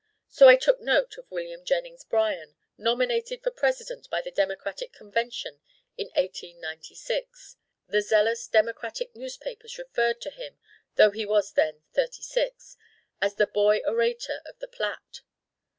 So I took note of William Jennings Bryan nominated for president by the Democratic convention in eighteen ninety six. The zealous Democratic newspapers referred to him, though he was then thirty six, as the Boy Orator of the Platte.